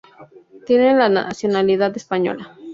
Tiene la nacionalidad española.